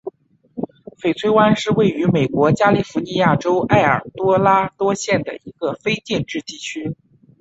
翡翠湾是位于美国加利福尼亚州埃尔多拉多县的一个非建制地区。